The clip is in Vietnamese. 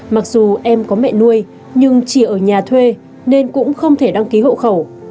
mặc dù em có mẹ nuôi nhưng chỉ ở nhà thuê nên cũng không thể đăng ký hộ khẩu